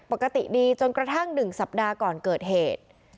ปกติดีจนกระทั่ง๑สัปดาห์ก่อนเกิดเหตุ